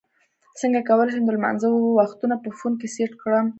څنګه کولی شم د لمانځه وختونه په فون کې سیټ کړم